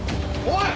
おい！